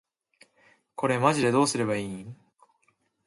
これマジでどうすれば良いん？